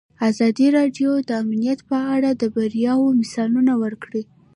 ازادي راډیو د امنیت په اړه د بریاوو مثالونه ورکړي.